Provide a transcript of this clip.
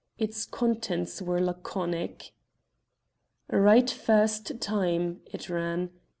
Its contents were laconic. "Right first time," it ran.